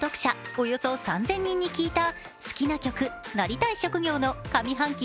およそ３０００人に聞いた好きな曲、なりたい職業の上半期